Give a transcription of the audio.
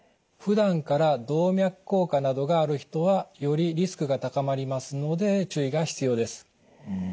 ふだんから動脈硬化などがある人はよりリスクが高まりますので注意が必要です。